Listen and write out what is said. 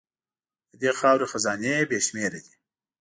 د دې خاورې خزانې بې شمېره دي.